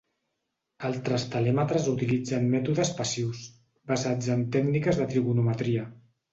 Altres telèmetres utilitzen mètodes passius, basats en tècniques de trigonometria.